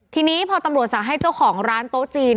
ทีนี้พอตำรวจสั่งให้เจ้าของร้านโต๊ะจีน